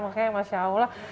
makanya masya allah